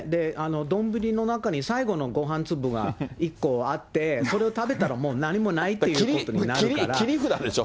丼の中に最後のごはん粒が１個あって、それを食べたらもう何もないということになるから。